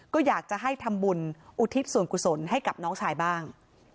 ก็อยากจะให้ทำบุญอุทิศส่วนกุศลให้กับน้องชายบ้าง